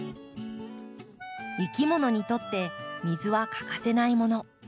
いきものにとって水は欠かせないもの。